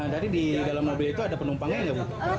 dari di dalam mobil itu ada penumpangnya